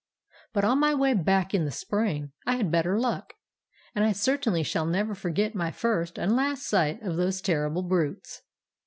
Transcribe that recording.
"But on my way back in the spring I had better luck, and I certainly shall never forget my first and last sight of those terrible brutes.